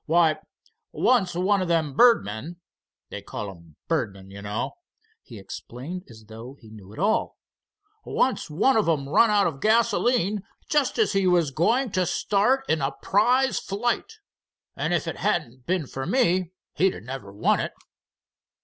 "Why, once one of them birdmen—they call 'em 'birdmen' you know," he explained as though he knew it all, "once one of 'em run out of gasoline just as he was goin' to start in a prize flight, and if it hadn't been for me he'd never won it."